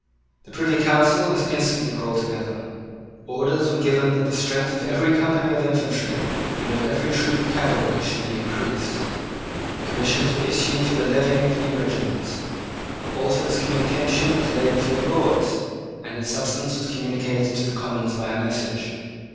The Privy Council was instantly called together. Orders were given that the strength of every company of infantry and of every troop of cavalry should be increased. Commissions were issued for the levying of new regiments. Alford's communication was laid before the Lords; and its substance was communicated to the Commons by a message.